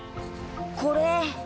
これ！